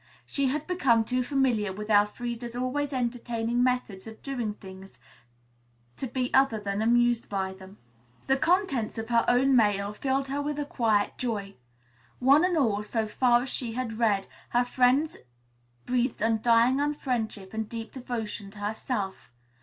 She had become too familiar with Elfreda's always entertaining methods of doing things to be other than amused by them. The contents of her own mail filled her with a quiet joy. One and all, so far as she had read, her friends breathed undying friendship and deep devotion to herself.